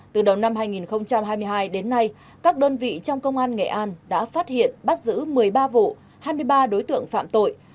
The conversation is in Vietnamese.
từ đầu năm hai nghìn hai mươi hai đến nay các đơn vị trong công an nghệ an đã phát hiện bắt giữ một mươi ba vụ hai mươi ba đối tượng phạm tội